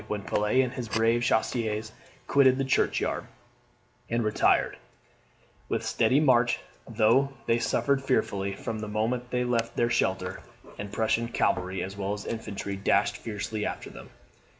When Pelet and his brave chasseurs quitted the churchyard, and retired with steady march, though they suffered fearfully from the moment they left their shelter, and Prussian cavalry as well as infantry dashed fiercely after them.